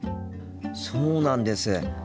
そうなんです。